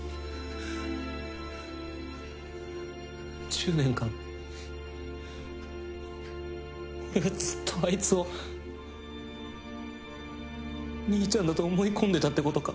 １０年間俺はずっとアイツを兄ちゃんだと思い込んでたってことか？